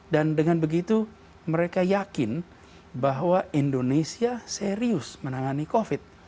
dan dengan begitu mereka yakin bahwa indonesia serius menangani covid